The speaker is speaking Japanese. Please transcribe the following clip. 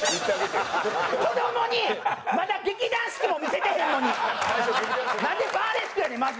子どもにまだ劇団四季も見せてへんのになんでバーレスクやねんまず。